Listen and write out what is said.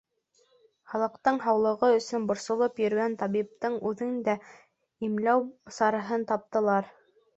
Халыҡтың һаулығы өсөн борсолоп йөрөгән табиптың үҙен дә имләү сараһын таптылар.